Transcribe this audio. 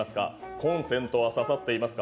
「コンセントはささっていますか？」。